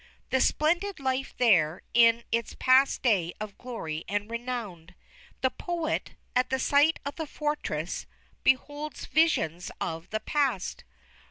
The splendid life there in its past day of glory and renown. The poet, at the sight of the fortress, beholds visions of the past.